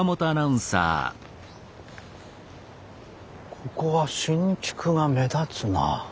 ここは新築が目立つなあ。